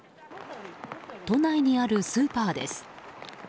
都内にあるスーパーです。